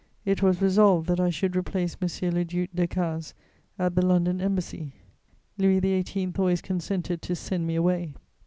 It was resolved that I should replace M. le Duc Decazes at the London Embassy. Louis XVIII. always consented to send me away.